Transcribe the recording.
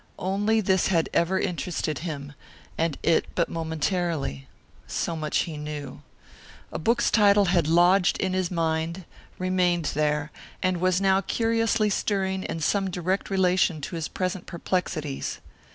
Only this had ever interested him, and it but momentarily. So much he knew. A book's title had lodged in his mind, remained there, and was now curiously stirring in some direct relation to his present perplexities.